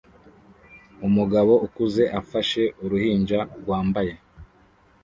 Umugabo ukuze afashe uruhinja rwambaye